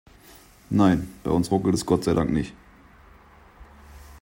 Nein, bei uns ruckelt es Gott sei Dank nicht.